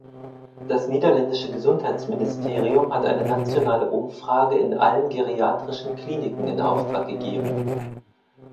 Das niederländische Gesundheitsministerium hat eine nationale Umfrage in allen geriatrischen Kliniken in Auftrag gegeben.